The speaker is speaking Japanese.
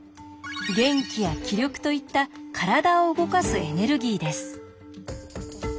元気や気力といった体を動かすエネルギーです。